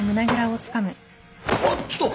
うわっちょっと。